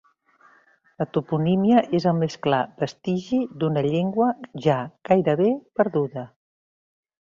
La toponímia és el més clar vestigi d'una llengua ja gairebé perduda.